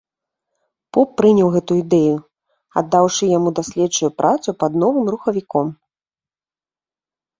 Поп прыняў гэтую ідэю, аддаўшы яму даследчую працу над новым рухавіком.